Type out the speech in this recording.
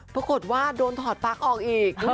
ปรากฏว่าโดนถอดปลั๊กออกอีก